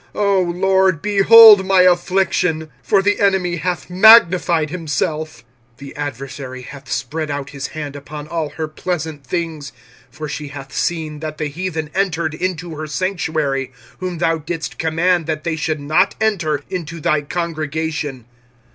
O LORD, behold my affliction: for the enemy hath magnified himself. 25:001:010 The adversary hath spread out his hand upon all her pleasant things: for she hath seen that the heathen entered into her sanctuary, whom thou didst command that they should not enter into thy congregation.